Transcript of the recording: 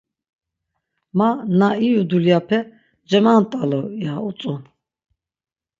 Ma na iyu dulyape cemant̆alu, ya utzu.